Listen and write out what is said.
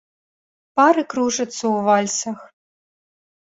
Пары кружацца ў вальсах.